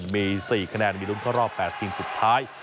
มี๔คะแนนมีรุ้นเข้ารอบ๘ทีมสุดท้าย